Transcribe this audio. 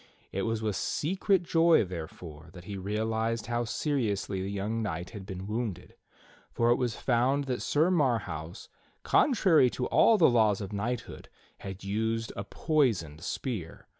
It was with secret joy, therefore, that he realized how seriously the young knight had been wounded; for it was found that Sir Marhaus, contrary to all the laws of knighthood, had used a poisoned spear.